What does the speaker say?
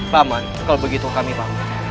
paman kalau begitu kami bangun